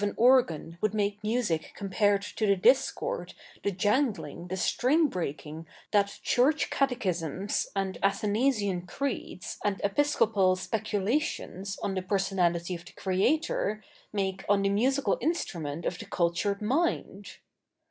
iij THE NEW REPUBLIC 221 organ would make music compared to the discord, the jangling, the string breaking that Church Catechisms, and Athanasian Creeds, and Episcopal speculations on the personality of the Creator, make on the musical instru ment of the cultured mind.